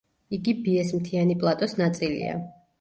იგი ბიეს მთიანი პლატოს ნაწილია.